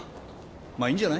まあいいんじゃない？